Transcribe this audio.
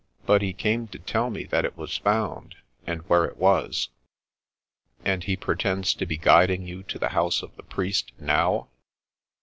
But he came to tell me that it was found, and where it was." " And he pretends to be guiding you to the house of the priest now?